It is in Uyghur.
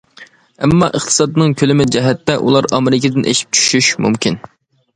ئەمما، ئىقتىسادنىڭ كۆلىمى جەھەتتە ئۇلار ئامېرىكىدىن ئېشىپ چۈشۈشى مۇمكىن.